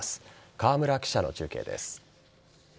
河村記者の中継です。